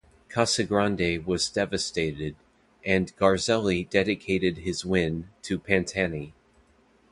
Casagrande was devastated, and Garzelli dedicated his win to Pantani.